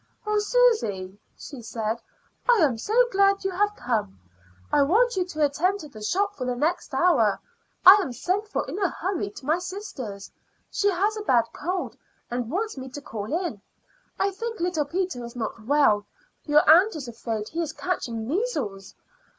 "Oh, Susy," she said, "I am so glad you have come! I want you to attend to the shop for the next hour. I am sent for in a hurry to my sister's; she has a bad cold, and wants me to call in. I think little Peter is not well; your aunt is afraid he is catching measles.